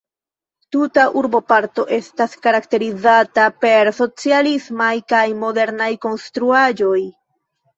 Tuta urboparto estas karakterizata per socialismaj kaj modernaj konstruaĵoj.